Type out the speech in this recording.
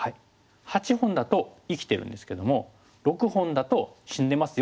８本だと生きてるんですけども６本だと死んでますよっていう格言なんです。